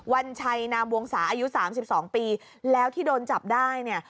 วันชัยนามวงศาอายุ๓๒ปีแล้วที่โดนจับได้เนี่ย